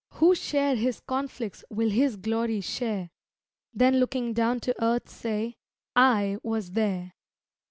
Who share His conflicts will His glory share; Then looking down to earth say, "_I was there!